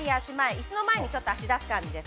椅子の前に足を出す感じです。